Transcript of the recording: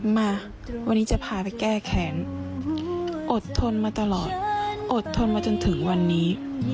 มาวันนี้จะพาไปแก้แค้นอดทนมาตลอดอดทนมาจนถึงวันนี้